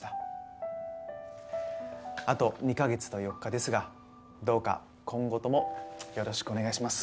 あと２カ月と４日ですがどうか今後ともよろしくお願いします。